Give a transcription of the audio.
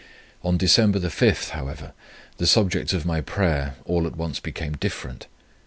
"On December 5th, however, the subject of my prayer all at once became different.